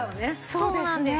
そうなんです。